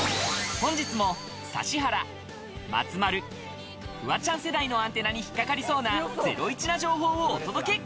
本日も指原、松丸、フワちゃん世代のアンテナに引っ掛かりそうなゼロイチな情報をお届け！